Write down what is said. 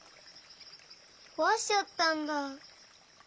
こわしちゃったんだ。